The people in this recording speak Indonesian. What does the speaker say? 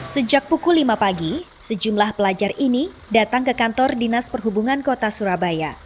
sejak pukul lima pagi sejumlah pelajar ini datang ke kantor dinas perhubungan kota surabaya